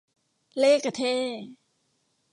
เล่ห์กระเท่ห์